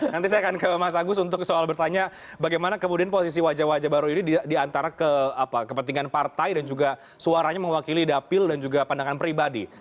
nanti saya akan ke mas agus untuk soal bertanya bagaimana kemudian posisi wajah wajah baru ini diantara kepentingan partai dan juga suaranya mewakili dapil dan juga pandangan pribadi